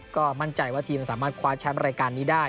ก็มั่นใจว่าทีมสามารถคว้าแชมป์รายการนี้ได้